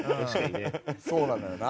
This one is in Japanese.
そうなのよな。